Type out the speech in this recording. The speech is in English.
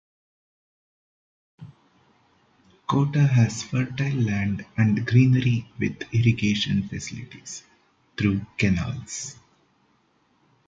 Kota has fertile land and greenery with irrigation facilities through canals.